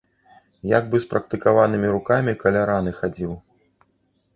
Як бы спрактыкаванымі рукамі каля раны хадзіў.